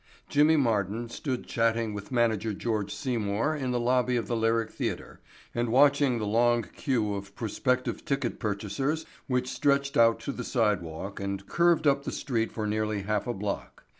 Jimmy Martin stood chatting with Manager George Seymour in the lobby of the Lyric Theatre and watching the long queue of prospective ticket purchasers which stretched out to the sidewalk and curved up the street for nearly half a block.